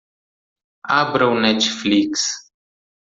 Abra o Netflix.